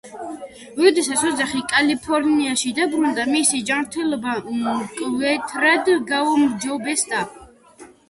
როდესაც ოჯახი კალიფორნიაში დაბრუნდა, მისი ჯანმრთელობა მკვეთრად გაუმჯობესდა.